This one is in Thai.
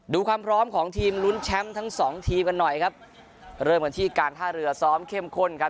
ดูความพร้อมของทีมลุ้นแชมป์ทั้งสองทีมกันหน่อยครับเริ่มกันที่การท่าเรือซ้อมเข้มข้นครับ